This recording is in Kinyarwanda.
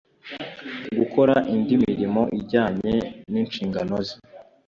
gukora indi mirimo ijyanye n inshingano ze